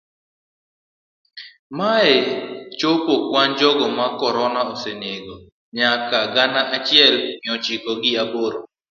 Mae chopo kwan jogo ma corona osenego nyaka gana achiel mia ochiko gi aboro.